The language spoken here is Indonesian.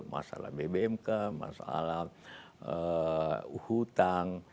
masalah bbmk masalah hutang